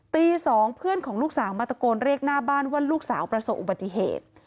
ตี๒เพื่อนของลูกสาวมาตะโกนเรียกหน้าบ้านว่าลูกสาวประสบอุบัติเหตุ